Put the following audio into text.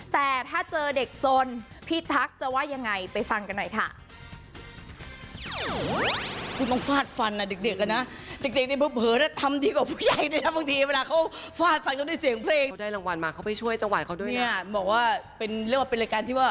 แต่ถ้าเจอเด็กสนพี่ทักจะว่ายังไงไปฟังกันหน่อยค่ะ